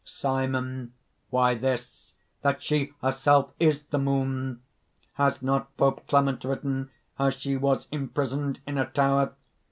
SIMON. "Why this, that she herself is the Moon! Has not Pope Clement written how she was imprisoned in a tower?